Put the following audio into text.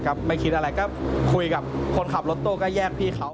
ไม่คิดอะไรก็คุยกับคนขับรถตู้ก็แยกพี่เขา